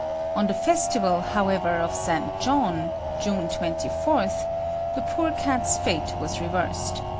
On the festival, however, of St. John (June 24), the poor cat's fate was reversed.